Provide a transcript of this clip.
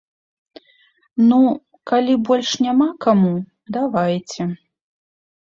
Ну, калі больш няма каму, давайце!